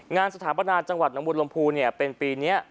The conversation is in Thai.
งานสถาบันดาลจังหวัดน้องมวลลำพูนเนี่ยเป็นปีเนี้ย